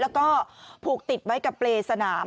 แล้วก็ผูกติดไว้กับเปรย์สนาม